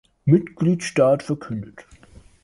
Mitgliedsstaat verkündet.